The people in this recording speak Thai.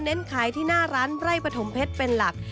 ขายที่หน้าร้านไร่ปฐมเพชรเป็นหลัก